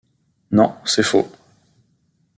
Non, c’est faux. ..